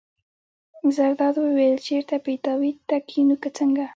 زرداد وویل: چېرته پیتاوي ته کېنو که څنګه.